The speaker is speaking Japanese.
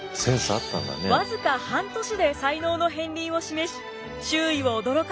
僅か半年で才能の片りんを示し周囲を驚かせた一葉。